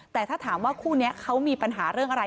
แต่ถ้าถามว่าคู่นี้เขามีปัญหาเรื่องอะไร